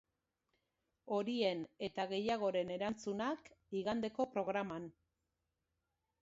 Horien eta gehiagoren erantzunak, igandeko programan.